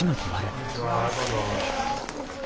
こんにちはどうぞ。